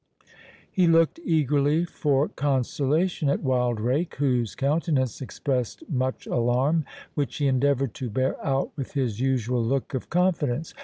He looked eagerly for consolation at Wildrake, whose countenance expressed much alarm, which he endeavoured to bear out with his usual look of confidence.